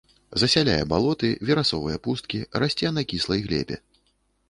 Засяляе балоты, верасовыя пусткі, расце на кіслай глебе.